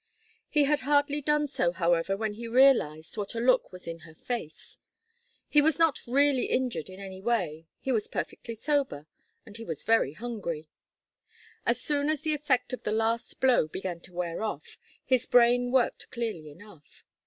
He had hardly done so, however, when he realized what a look was in her face. He was not really injured in any way, he was perfectly sober, and he was very hungry. As soon as the effect of the last blow began to wear off, his brain worked clearly enough.